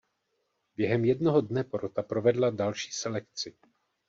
Během jednoho dne porota provedla další selekci.